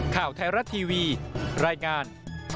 ข่าวไทยรัฐทีวีรายงาน